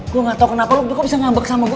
gue gak tau kenapa lu gue bisa ngambek sama gue